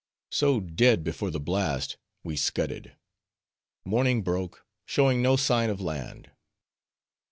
So dead before the blast, we scudded. Morning broke, showing no sign of land.